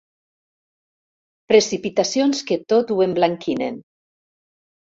Precipitacions que tot ho emblanquinen.